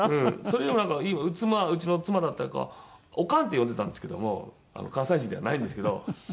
それよりもなんかうちの妻だったらこう「オカン」って呼んでたんですけども関西人ではないんですけど。